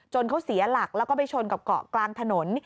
เขาเสียหลักแล้วก็ไปชนกับเกาะกลางถนน